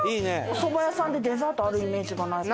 おそば屋さんってデザートあるイメージがない。